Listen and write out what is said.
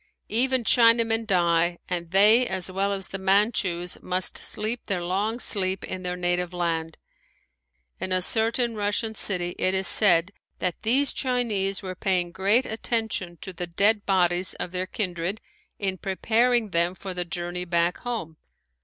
Even Chinamen die, and they as well as the Manchus must sleep their long sleep in their native land. In a certain Russian city it is said that these Chinese were paying great attention to the dead bodies of their kindred in preparing them for the journey back home.